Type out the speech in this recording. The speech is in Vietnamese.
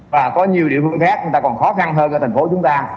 và có nhiều địa phương khác còn khó khăn hơn cả thành phố chúng ta